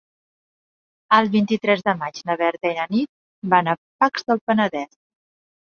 El vint-i-tres de maig na Berta i na Nit van a Pacs del Penedès.